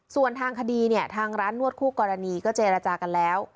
ส่วนทางคดีเนี่ยทางร้านนวดคู่กรณีก็เจรจากันแล้ว